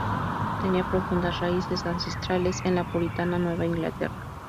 Tenía profundas raíces ancestrales en la puritana Nueva Inglaterra.